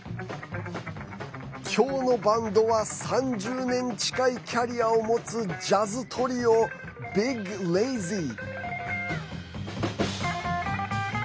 今日のバンドは３０年近いキャリアを持つジャズトリオ、ＢｉｇＬａｚｙ。